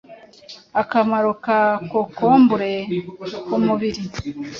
Akamaro ka Kokombure ku mubiri: